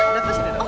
dapas ini dong